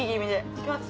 いきます